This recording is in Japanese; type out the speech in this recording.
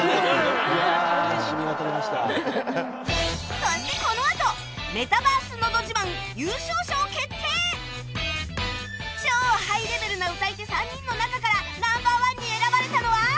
そしてこのあと超ハイレベルな歌い手３人の中からナンバーワンに選ばれたのは？